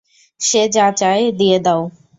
সে যা চায় দিয়ে দাও।